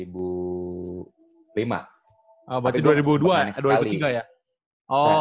berarti dua ribu dua dua ribu tiga ya